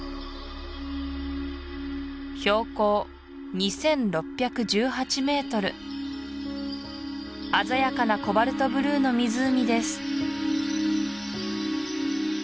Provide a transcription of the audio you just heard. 標高２６１８ｍ鮮やかなコバルトブルーの湖です